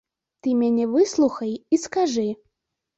Ты мяне выслухай і скажы.